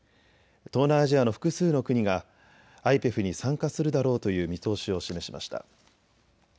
東南アジアの複数の国がＩＰＥＦに参加するだろうという見通しを示しました。